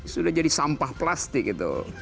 sudah jadi sampah plastik itu